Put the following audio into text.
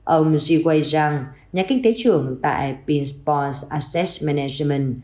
ông diwei zhang nhà kinh tế trưởng tại pinspons assets management